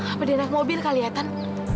apa dia anak mobil kali ya tan